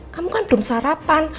kamu kan belum sarapan